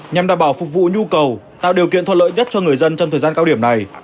nhằm đảm bảo phục vụ nhu cầu tạo điều kiện thuận lợi nhất cho người dân trong thời gian cao điểm này